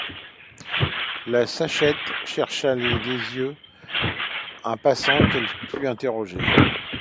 La sachette chercha des yeux un passant qu’elle pût interroger.